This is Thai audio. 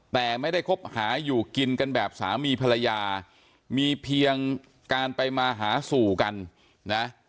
แต่ไม่ได้คบหาอยู่กินกันแบบสามีภรรยามีเพียงการไปมาหาสู่กันนะ